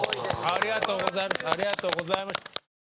ありがとうございます。